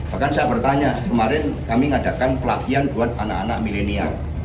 bahkan saya bertanya kemarin kami mengadakan pelatihan buat anak anak milenial